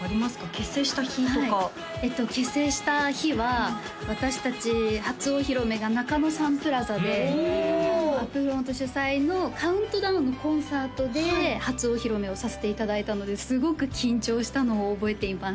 結成した日とか結成した日は私達初お披露目が中野サンプラザでＵＰ−ＦＲＯＮＴ主催のカウントダウンのコンサートで初お披露目をさせていただいたのですごく緊張したのを覚えています